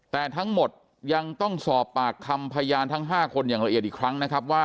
แต่ทั้งหมดยังต้องสอบปากคำพยานทั้ง๕คนอย่างละเอียดอีกครั้งนะครับว่า